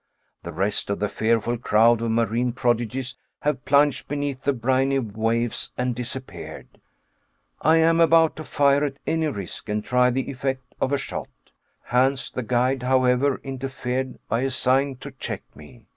The rest of the fearful crowd of marine prodigies have plunged beneath the briny waves and disappeared! I am about to fire at any risk and try the effect of a shot. Hans, the guide, however, interfered by a sign to check me.